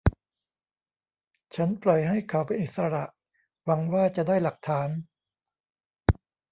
ฉันปล่อยให้เขาเป็นอิสระหวังว่าจะได้หลักฐาน